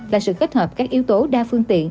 là sự kết hợp các yếu tố đa phương tiện